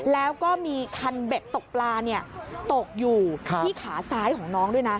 แล้วก็มีคันเบ็ดตกปลาตกอยู่ที่ขาซ้ายของน้องด้วยนะ